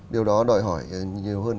điều đó đòi hỏi nhiều hơn